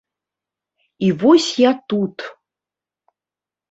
І вось я тут!